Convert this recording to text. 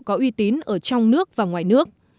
có uy tín ở trong nước và ngoài nước